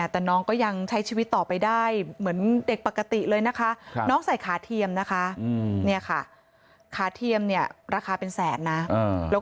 แต่น้องก็ยังใช้ชีวิตต่อไปได้เหมือนเด็กปกติเลยนะคะ